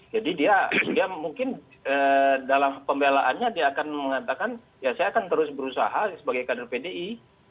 jadi dia mungkin dalam pembelaannya dia akan mengatakan ya saya akan terus berusaha sebagai kader pdi